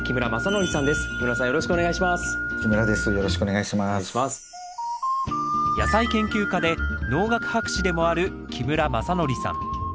野菜研究家で農学博士でもある木村正典さん。